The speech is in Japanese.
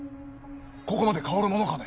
ここまで香るものかね？